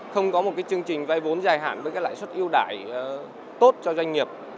không có một chương trình vay vốn dài hạn với lãi suất yêu đái tốt cho doanh nghiệp